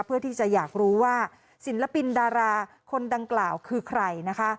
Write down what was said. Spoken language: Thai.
เพื่อที่จะอยากรู้ว่าศิลปินดาราคนดังกล่าวคือใครนะคะ